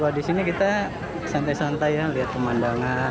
ya di sini kita santai santai lihat pemandangan